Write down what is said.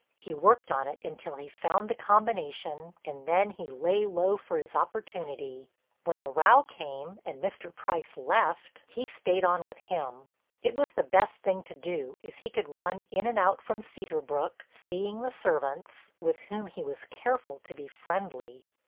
He worked on it until he found the combination and then he lay low for his opportunity. When the row came and Mr. Price left, he stayed on with him. It was the best thing to do as he could run in and out from Cedar Brook seeing the servants, with whom he was careful to be friendly.